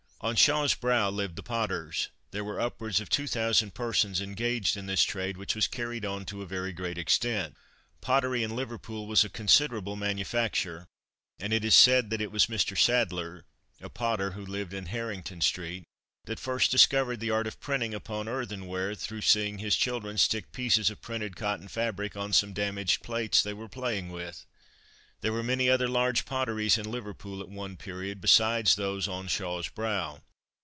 On Shaw's Brow lived the potters. There were upwards of 2,000 persons engaged in this trade, which was carried on to a very great extent. Pottery in Liverpool was a considerable manufacture, and it is said that it was Mr. Sadler, a potter who lived in Harrington street, that first discovered the art of printing upon earthenware, through seeing his children stick pieces of printed cotton fabric on some damaged plates they were playing with. There were many other large potteries in Liverpool at one period, besides those on Shaw's Brow.